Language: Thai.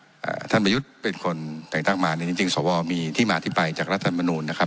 อ่าท่านมายุทธ์เป็นคนแต่งตั้งมาในนี้จริงสวรรค์มีที่มาอธิบายจากรัฐธรรมนุนนะครับ